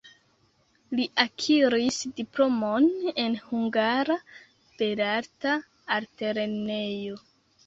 Li akiris diplomon en Hungara Belarta Altlernejo.